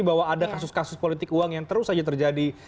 bahwa ada kasus kasus politik uang yang terus saja terjadi